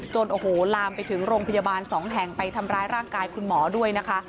โอ้โหลามไปถึงโรงพยาบาลสองแห่งไปทำร้ายร่างกายคุณหมอด้วยนะคะ